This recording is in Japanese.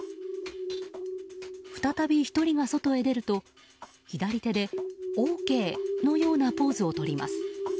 再び１人が外へ出ると、左手でＯＫのようなポーズをとります。